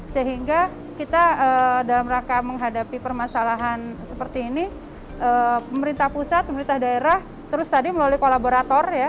sehingga kita dalam rangka menghadapi permasalahan seperti ini pemerintah pusat pemerintah daerah terus tadi melalui kolaborator ya